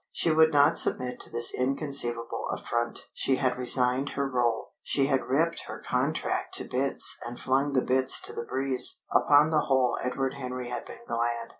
She would not submit to this inconceivable affront. She had resigned her rôle. She had ripped her contract to bits and flung the bits to the breeze. Upon the whole Edward Henry had been glad.